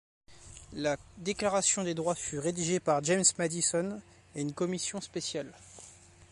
La Déclaration des droits fut rédigée par James Madison et une commission spéciale.